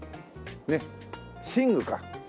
ねっ寝具か。